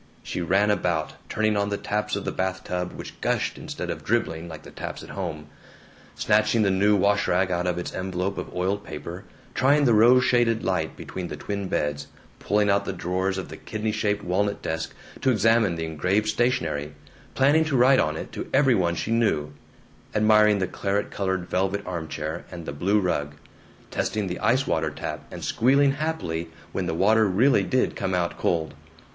She ran about, turning on the taps of the bathtub, which gushed instead of dribbling like the taps at home, snatching the new wash rag out of its envelope of oiled paper, trying the rose shaded light between the twin beds, pulling out the drawers of the kidney shaped walnut desk to examine the engraved stationery, planning to write on it to every one she knew, admiring the claret colored velvet armchair and the blue rug, testing the ice water tap, and squealing happily when the water really did come out cold.